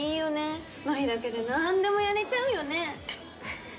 ノリだけでなんでもやれちゃうよねははっ